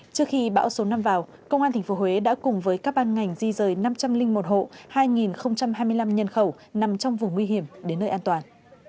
trước khi bão số năm vào công an tp huế đã cùng với các ban ngành di rời năm trăm linh một hộ hai hai mươi năm nhân khẩu nằm trong vùng nguy hiểm đến nơi an toàn